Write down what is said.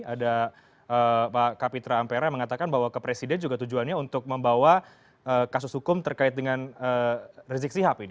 ada pak kapitra ampera mengatakan bahwa kepresiden juga tujuannya untuk membawa kasus hukum terkait dengan reziksi hpd